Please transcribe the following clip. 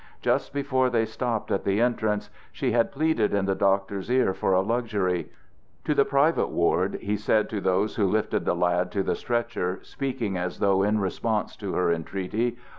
Just before they stopped at the entrance she had pleaded in the doctor's ear for a luxury. "To the private ward," he said to those who lifted the lad to the stretcher, speaking as though in response to her entreaty.